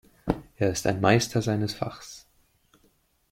Er ist ein Meister seines Fachs.